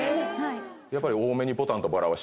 やっぱり。